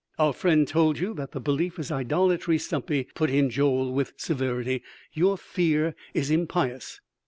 _" "Our friend told you that that belief is idolatry, Stumpy," put in Joel with severity; "your fear is impious."